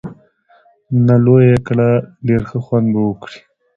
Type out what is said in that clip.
نه، لویه یې کړه، ډېر ښه خوند به وکړي.